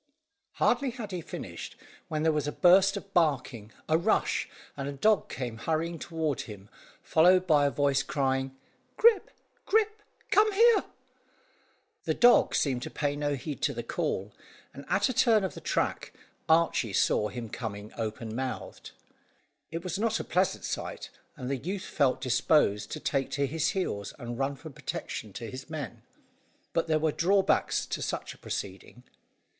Hardly had he finished, when there was a burst of barking, a rush, and a dog came hurrying toward him, followed by a voice crying "Grip, Grip, come here!" The dog seemed to pay no heed to the call, and at a turn of the track, Archy saw him coming open mouthed. It was not a pleasant sight, and the youth felt disposed to take to his heels, and run for protection to his men. But there were drawbacks to such a proceeding.